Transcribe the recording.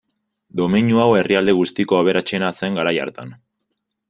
Domeinu hau herrialde guztiko aberatsena zen garai hartan.